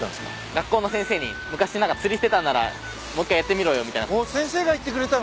学校の先生に「昔釣りしてたんならもう一回やってみろよ」みたいな。おっ先生が言ってくれたの？